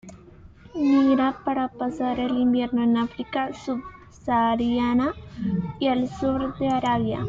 Migra para pasar el invierno en África subsahariana y el sur de Arabia.